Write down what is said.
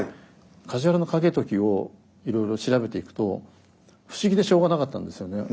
梶原景時をいろいろ調べていくと不思議でしょうがなかったんですよね。